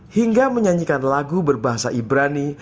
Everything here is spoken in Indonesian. hingga menyanyikan lagu berbahasa ibrani